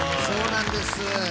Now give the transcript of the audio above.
そうなんです。